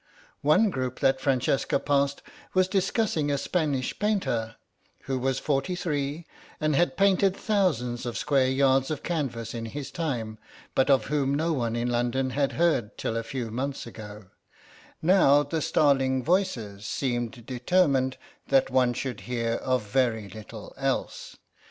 One group that Francesca passed was discussing a Spanish painter, who was forty three, and had painted thousands of square yards of canvas in his time, but of whom no one in London had heard till a few months ago; now the starling voices seemed determined that one should hear of very little else.